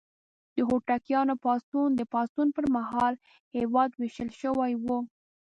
د هوتکیانو پاڅون: د پاڅون پر مهال هېواد ویشل شوی و.